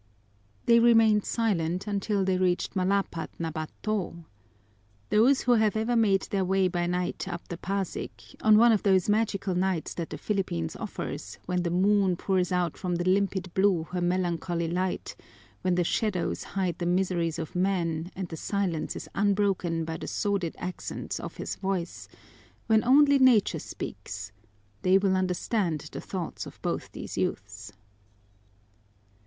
They remained silent until they reached Malapad na bato. Those who have ever made their way by night up the Pasig, on one of those magical nights that the Philippines offers, when the moon pours out from the limpid blue her melancholy light, when the shadows hide the miseries of man and the silence is unbroken by the sordid accents of his voice, when only Nature speaks they will understand the thoughts of both these youths.